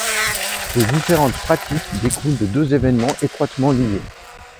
Les différentes pratiques découlent de deux événements étroitement liés.